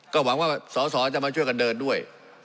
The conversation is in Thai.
ก็หวังว่าสอสอจะมาช่วยกันเดินด้วย